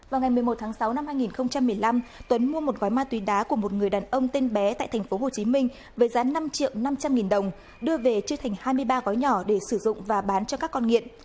vào ngày một mươi một tháng sáu năm hai nghìn một mươi năm tuấn mua một gói ma túy đá của một người đàn ông tên bé tại tp hcm với giá năm triệu năm trăm linh nghìn đồng đưa về chia thành hai mươi ba gói nhỏ để sử dụng và bán cho các con nghiện